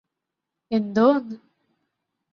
എന്തോ ഒന്ന്